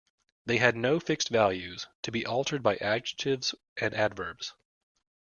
They had no fixed values, to be altered by adjectives and adverbs.